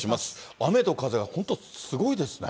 雨と風が本当、すごいですね。